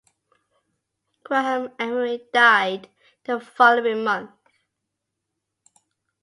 Graham Emery died the following month.